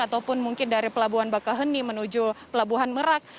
ataupun mungkin dari pelabuhan bakaheni menuju pelabuhan merak